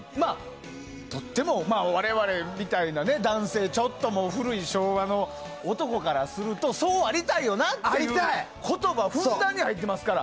とっても、我々みたいな男性ちょっと古い昭和の男からするとそうありたいよなっていう言葉がふんだんに入ってますから。